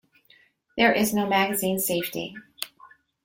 There is no magazine safety.